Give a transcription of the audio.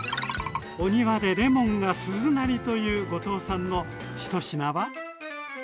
お庭でレモンが鈴なりという後藤さんの１品は？